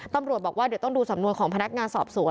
ตำรวจบอกว่าเดี๋ยวต้องดูสำนวนของพนักงานสอบสวน